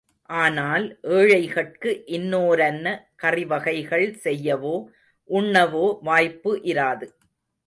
ஆனால் ஏழைகட்கு இன்னோரன்ன கறிவகைகள் செய்யவோ உண்ணவோ வாய்ப்பு இராது.